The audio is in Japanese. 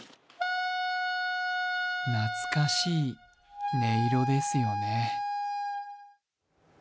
懐かしい音色ですよね。